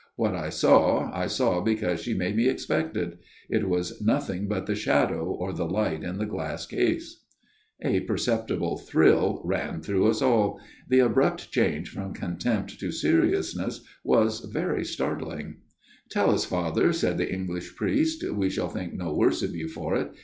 What I saw, I saw because she made me expect it. It was nothing but the shadow, or the light in the glass case." A perceptible thrill ran through us all. The abrupt change from contempt to seriousness was very startling. FATHER BIANCHI'S STORY 147 "Tell us, Father," said the English priest, " we shall think no worse of you for it.